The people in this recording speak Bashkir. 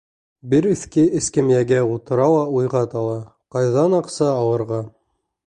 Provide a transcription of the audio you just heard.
Бер иҫке эскәмйәгә ултыра ла уйға тала: ҡайҙан аҡса алырға?